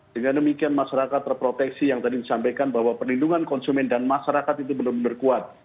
dengan demikian masyarakat terproteksi yang tadi disampaikan bahwa perlindungan konsumen dan masyarakat itu benar benar kuat